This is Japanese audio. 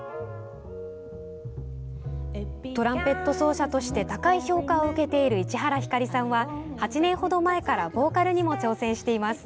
トランペット奏者として高い評価を受けている市原ひかりさんは８年ほど前からボーカルにも挑戦しています。